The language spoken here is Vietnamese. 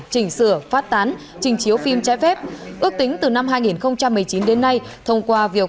chỉnh sửa phát tạo tài sản xuất